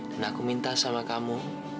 dan aku minta sama kamu